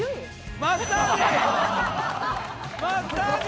マッサージ！